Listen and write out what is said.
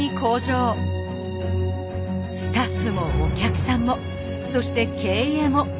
スタッフもお客さんもそして経営も。